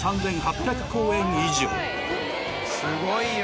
すごいよ。